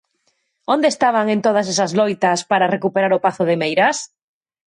¿Onde estaban en todas esas loitas para recuperar o pazo de Meirás?